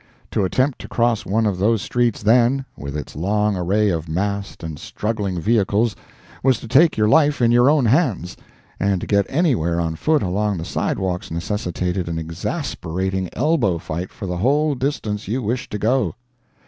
To attempt to cross one of those streets then, with its long array of massed and struggling vehicles, was to take your life in your own hands; and to get anywhere on foot along the sidewalks necessitated an exasperating elbow fight for the whole distance you wished to go.